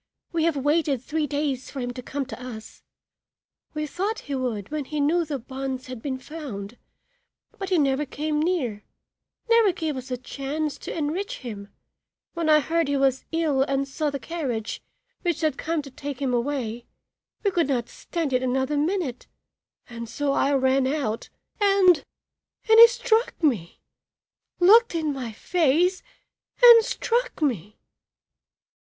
We have waited three days for him to come to us. We thought he would when he knew the bonds had been found, but he never came near, never gave us a chance to enrich him; and when I heard he was ill and saw the carriage which had come to take him away, we could not stand it another minute and so I ran out and and he struck me! looked in my face and struck me!"